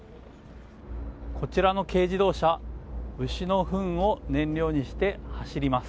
こちらの軽自動車牛のふんを燃料にして走ります。